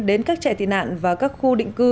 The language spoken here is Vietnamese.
đến các trại tị nạn và các khu định cư